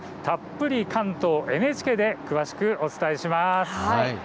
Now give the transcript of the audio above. たっぷり関東ＮＨＫで詳しくお伝えします。